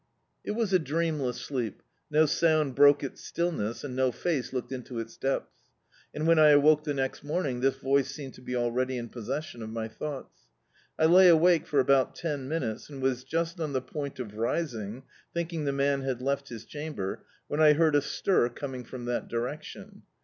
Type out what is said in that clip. It was a dreamless sleep; no sound broke its stillness, and no face looked into its depths; and, when I awoke the next morning, this voice seemed to be already in possession of my thoughts. I lay awake for about tea minutes, and was just on the point of rising, thinking the man had left his cham ber, when I heard a stir coming from that direction.